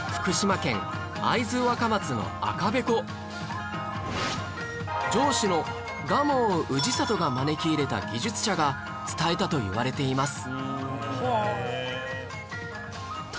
例えば城主の蒲生氏郷が招き入れた技術者が伝えたといわれています